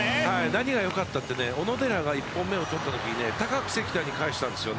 何がよかったって小野寺が１本目を取ったときに高く関田に返したんです。